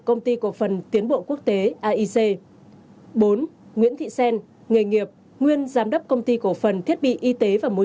quy định tại khoản ba điều hai trăm hai mươi hai bộ luật hình sự đối với các bị can sau